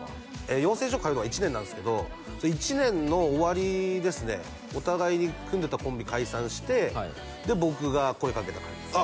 養成所通うのは１年なんすけど１年の終わりですねお互いに組んでたコンビ解散してで僕が声掛けた感じですね